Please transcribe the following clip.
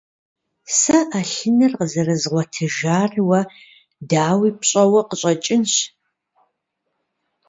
Сэ Ӏэлъыныр къызэрызгъуэтыжар уэ, дауи, пщӀэуэ къыщӀэкӀынщ.